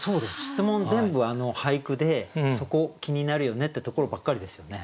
質問全部俳句でそこ気になるよねってところばっかりですよね。